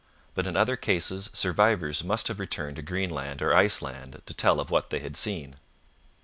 But in other cases survivors must have returned to Greenland or Iceland to tell of what they had seen.